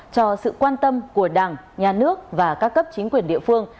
cho sự quan tâm của đảng nhà nước và các cấp chính quyền địa phương